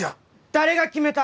誰が決めた！？